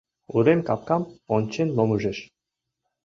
Урем капкам ончен ломыжеш.